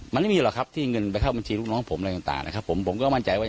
์ไม่มีก็ก็คือไม่มี